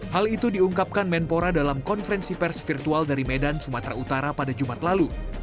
hal itu diungkapkan menpora dalam konferensi pers virtual dari medan sumatera utara pada jumat lalu